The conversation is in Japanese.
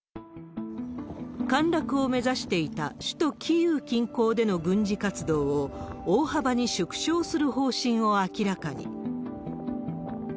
陥落を目指していた首都キーウ近郊での軍事活動を、大幅に縮小する方針を明らかに。